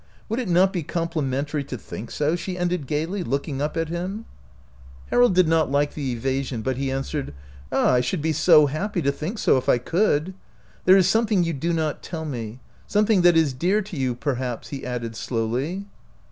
Would it not be compli mentary to think so?" she ended gaily, look ing up at him. 76 OUT OF BOHEMIA Harold did not like the evasion, but he answered :" Ah, I should be so happy to think so if I could! There is something you do not tell me — something that is dear to you, per haps," he added, slowly.